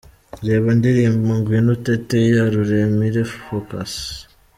Reba indirimbo ’Ngwino Utete’ ya Ruremire Focus.